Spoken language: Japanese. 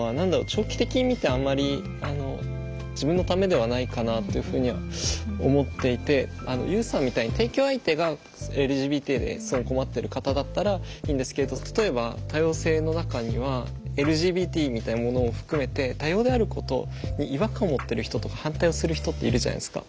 長期的に見てあんまり自分のためではないかなというふうには思っていてＵさんみたいに提供相手がＬＧＢＴですごい困っている方だったらいいんですけど例えば多様性の中にはＬＧＢＴみたいなものを含めて多様であることに違和感を持ってる人とか反対をする人っているじゃないですか。